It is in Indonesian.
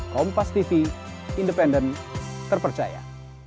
kompas tv independen terpercaya